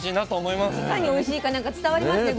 いかにおいしいかなんか伝わりますね。